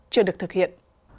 chưa được thực hiện